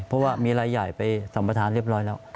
เพราะว่ามีรายใหญ่ไปสัมประธานเรียบร้อยแล้ว